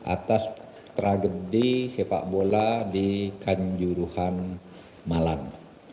atas tragedi sepak bola di kanjuruhan malang